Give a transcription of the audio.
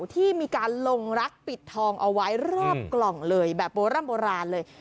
ที่มีการลงรักปิดทองเอาไว้รอบกล่องเลยแบบโบร่ำโบราณเลย